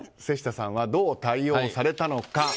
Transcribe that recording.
瀬下さんはどう対応されたのか。